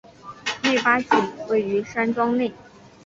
内八景位于山庄内。